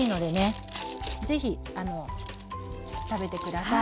ぜひ食べて下さい。